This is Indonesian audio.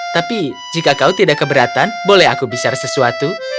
tapi jika kau tidak keberatan boleh aku bicara sesuatu